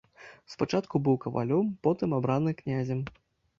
Спачатку быў кавалём, потым абраны князем.